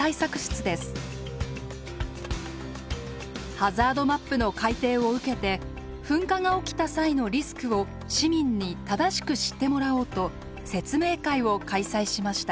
ハザードマップの改定を受けて噴火が起きた際のリスクを市民に正しく知ってもらおうと説明会を開催しました。